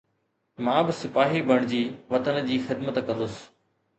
مان به سپاهي بڻجي وطن جي خدمت ڪندس